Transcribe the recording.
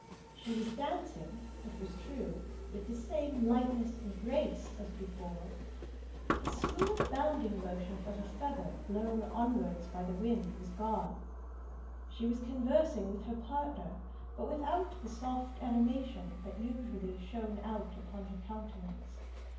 She was dancing, it was true, with the same lightness and grace as before, but the smooth bounding motion, as of a feather blown onwards by the wind, was gone. She was conversing with her partner, but without the soft animation that usually shone out upon her countenance.